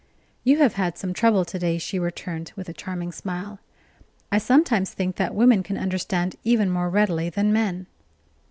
"You have had some trouble to day," she returned, with a charming smile. "I sometimes think that women can understand even more readily than men."